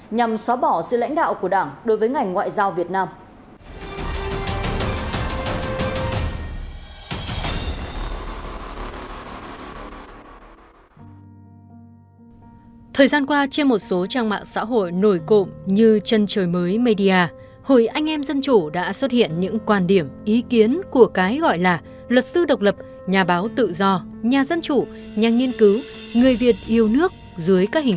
nhằm xóa bỏ sự lãnh đạo của đảng đối với ngành ngoại giao việt nam